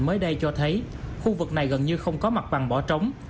mới đây cho thấy khu vực này gần như không có mặt bằng bỏ trống